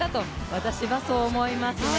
私はそう思いますね。